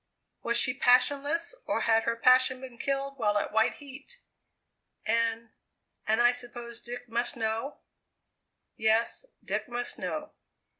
Was she passionless or had her passion been killed while at white heat? "And and I suppose Dick must know?" "Yes. Dick must know."